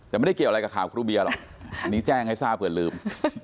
แต่ไม่ได้เกี่ยวอะไรกับข่าวครูเบียหรอกอันนี้แจ้งให้ทราบเผื่อลืม